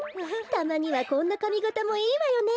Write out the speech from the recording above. たまにはこんなかみがたもいいわよね。